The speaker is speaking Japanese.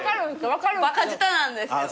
分かるんですよ。